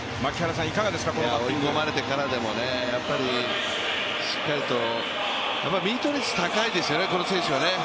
追い込まれてからでもしっかりと、ミート率高いですよね、この選手は。